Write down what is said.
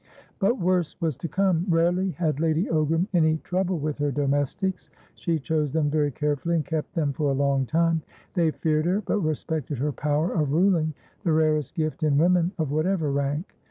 But worse was to come. Rarely had Lady Ogram any trouble with her domestics; she chose them very carefully, and kept them for a long time; they feared her, but respected her power of ruling, the rarest gift in women of whatever rank.